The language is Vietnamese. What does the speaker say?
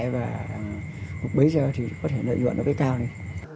và bây giờ thì có thể nợ nhuận nó cái cao này